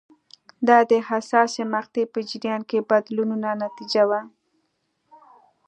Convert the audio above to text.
دا د حساسې مقطعې په جریان کې بدلونونو نتیجه وه.